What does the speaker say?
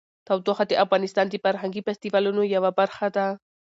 تودوخه د افغانستان د فرهنګي فستیوالونو یوه برخه ده.